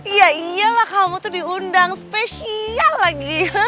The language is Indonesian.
iya iyalah kamu tuh diundang spesial lagi